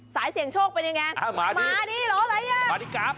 สายเสียงโชคเป็นยังไงมาดิมาดิหรออะไร